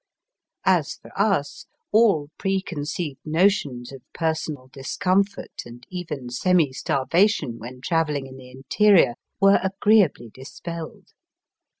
As for us all preconceived notions of per sonal discomfort, and even semi starvation when travelling in the interior, were agree ably dispelled.